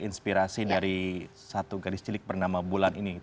inspirasi dari satu gadis cilik bernama bulan ini